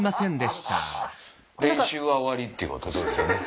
練習は終わりっていうことですよね。